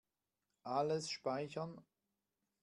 Alles speichern.